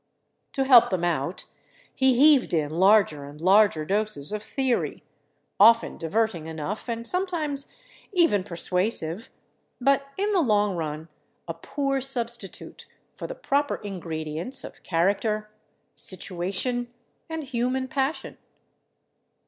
To help them out he heaved in larger and larger doses of theory—often diverting enough, and sometimes even persuasive, but in the long run a poor substitute for the proper ingredients of character, situation and human passion.